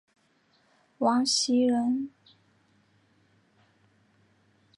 王袭人。